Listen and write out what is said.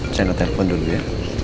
jangan ngetelpon dulu ya